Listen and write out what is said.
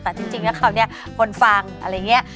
แต่จริงแล้วคราวนี้คนฟังอะไรอย่างนี้